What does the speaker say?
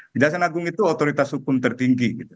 kejaksaan agung itu otoritas hukum tertinggi